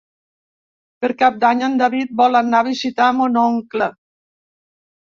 Per Cap d'Any en David vol anar a visitar mon oncle.